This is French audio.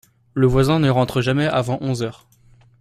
Le voisin ne rentre jamais avant onze heures.